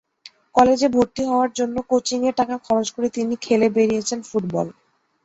কলেজে ভর্তি হওয়ার জন্য কোচিংয়ের টাকা খরচ করে তিনি খেলে বেড়িয়েছেন ফুটবল।